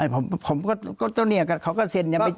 ผมก็เจ้าเนี่ยเขาก็เซ็นยังไม่